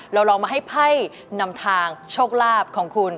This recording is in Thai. เราลองมาให้ไพ่นำทางโชคลาภของคุณ